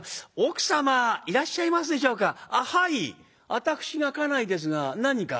私が家内ですが何か？」。